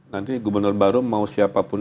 nanti gubernur baru mau siapapun